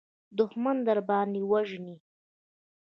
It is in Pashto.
دښمن درباندې وژني.